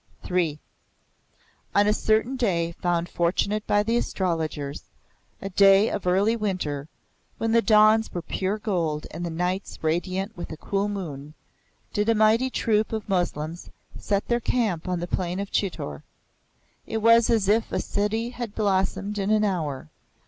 III On a certain day found fortunate by the astrologers a day of early winter, when the dawns were pure gold and the nights radiant with a cool moon did a mighty troop of Moslems set their camp on the plain of Chitor. It was as if a city had blossomed in an hour.